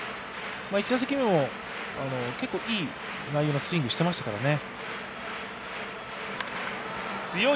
１打席目も、結構いい内容のスイングしてましたからね。